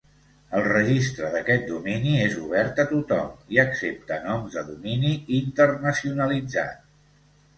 El registre d'aquest domini és obert a tothom i accepta noms de domini internacionalitzat.